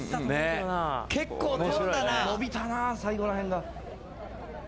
結構飛んだな。のびたな最後ら辺が。